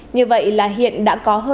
như vậy là hiện đã có hồi